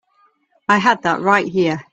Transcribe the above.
I had that right here.